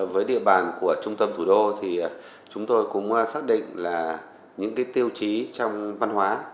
với địa bàn của trung tâm thủ đô thì chúng tôi cũng xác định là những tiêu chí trong văn hóa